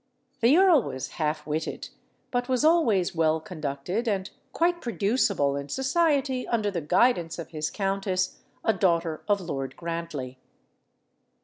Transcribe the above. The earl was half witted, but was always well conducted and quite producible in society under the guidance of his countess, a daughter of Lord Grantley.